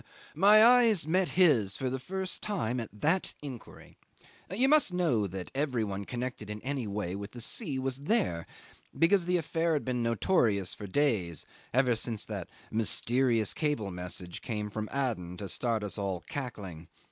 'My eyes met his for the first time at that inquiry. You must know that everybody connected in any way with the sea was there, because the affair had been notorious for days, ever since that mysterious cable message came from Aden to start us all cackling.